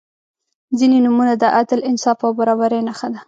• ځینې نومونه د عدل، انصاف او برابري نښه ده.